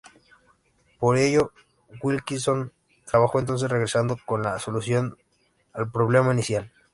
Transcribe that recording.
Por ello Wilkinson trabajó entonces regresando con la solución al problema inicial.